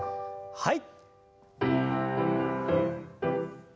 はい。